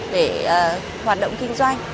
để hoạt động kinh doanh